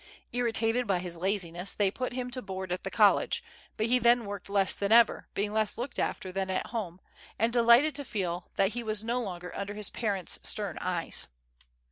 Irritated by his laziness, they put him to board at the college, but he tlien worked less than ever, being less looked after than at home, and delighted to feel that he was no longer under his parents' stern eyes.